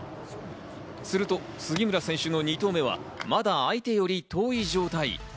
すると杉村選手の２投目はまだ相手より遠い状態。